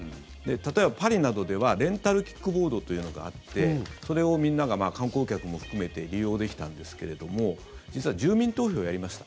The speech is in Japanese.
例えば、パリなどではレンタルキックボードというのがあってそれをみんなが観光客も含めて利用できたんですけれども実は住民投票をやりました。